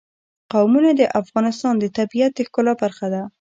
قومونه د افغانستان د طبیعت د ښکلا برخه ده.